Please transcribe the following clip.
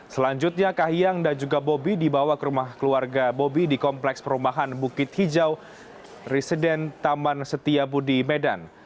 selanjutnya kahiyang dan juga bobi dibawa ke rumah keluarga bobi di kompleks perumahan bukit hijau resident taman setiabudi medan